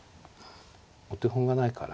お手本がないから。